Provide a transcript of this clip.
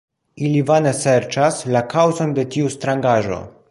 Ili vane serĉas la kaŭzon de tiu strangaĵo.